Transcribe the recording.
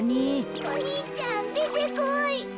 お兄ちゃんでてこい。